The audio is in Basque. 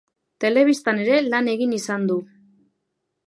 Telebistan ere lan egin izan du.